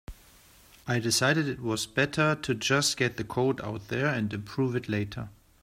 I decided it was better to just get the code out there and improve it later.